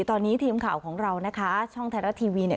ตอนนี้ทีมข่าวของเรานะคะช่องไทยรัฐทีวีเนี่ย